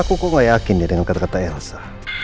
aku kok gak yakin ya dengan kata kata elsa